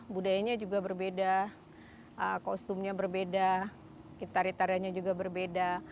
budayanya juga berbeda kostumnya berbeda kitar kitaranya juga berbeda